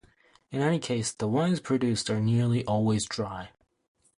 In any case the wines produced are nearly always dry.